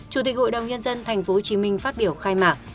chủ tịch hội đồng nhân dân tp hcm phát biểu khai mạc